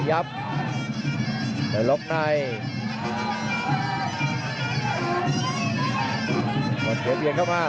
เราก็หลับเบียนเข้ามา